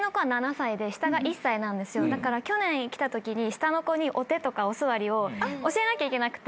だから去年来たときに下の子にお手とかお座りを教えなきゃいけなくて。